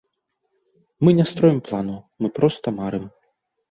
Мы не строім планаў, мы проста марым.